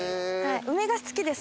梅が好きです